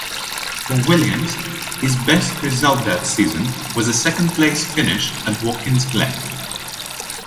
For Williams, his best result that season was a second-place finish at Watkins Glen.